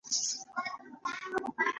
رستم د یوه بل عرب په لاس ووژل شو.